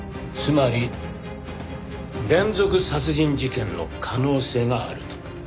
つまり連続殺人事件の可能性があると？